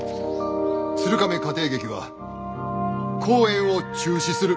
鶴亀家庭劇は公演を中止する。